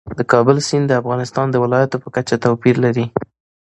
د کابل سیند د افغانستان د ولایاتو په کچه توپیر لري.